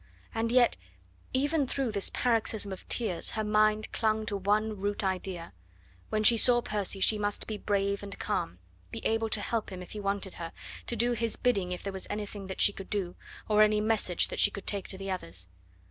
And yet even through this paroxysm of tears her mind clung to one root idea: when she saw Percy she must be brave and calm, be able to help him if he wanted her, to do his bidding if there was anything that she could do, or any message that she could take to the others.